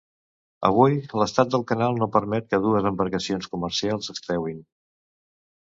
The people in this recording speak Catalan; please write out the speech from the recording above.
Avui, l'estat del canal no permet que dues embarcacions comercials es creuen.